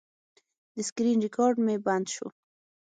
د سکرین ریکارډ مې بند شو.